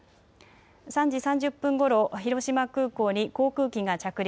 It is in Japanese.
３時３０分ごろ、広島空港に航空機が着陸。